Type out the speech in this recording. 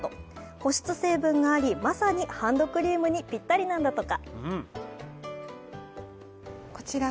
保湿成分があり、まさにハンドクリームにぴったりなんだとか。